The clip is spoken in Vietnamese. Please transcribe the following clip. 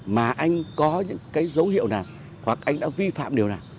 mà anh có những cái dấu hiệu nào hoặc anh đã vi phạm điều nào